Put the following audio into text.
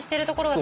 私